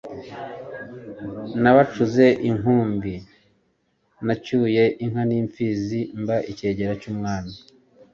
nabaculije inkumbi nacyuye inka n'imfizi, mba icyegera cy'umwami.